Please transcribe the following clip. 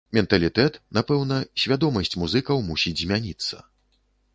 Менталітэт, напэўна, свядомасць музыкаў мусіць змяніцца.